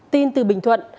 tin từ bình thuận